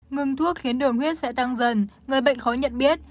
ngừng thuốc khiến đường huyết sẽ tăng dần người bệnh khó nhận biết